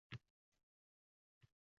Ko’p izladim yo’limni.